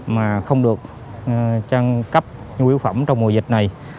mà không được trang cấp nhu yếu phẩm trong mùa dịch này